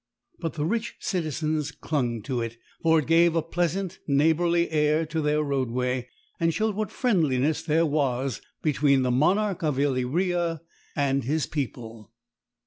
But the rich citizens clung to it, for it gave a pleasant neighbourly air to their roadway, and showed what friendliness there was between the monarch of Illyria and his people.